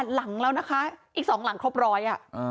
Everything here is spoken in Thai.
หลังแล้วนะคะอีก๒หลังครบร้อย